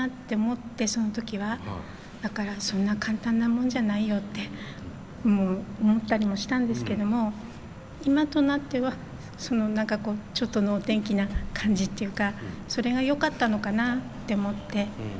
だからそんな簡単なもんじゃないよって思ったりもしたんですけども今となってはちょっと能天気な感じっていうかそれがよかったのかなって思って。